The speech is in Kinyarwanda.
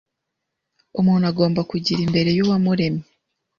umuntu agomba kugira imbere y’Uwamuremye